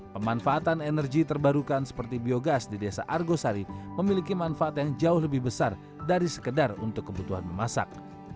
pemanfaatan energi terbarukan seperti biogas di desa argosari memiliki manfaat yang jauh lebih besar dari sekedar untuk kebutuhan memasak